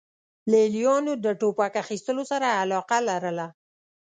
لې لیانو د ټوپک اخیستو سره علاقه لرله